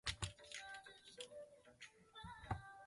满九十岁时自号长寿翁。